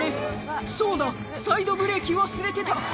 そうだサイドブレーキ忘れてた」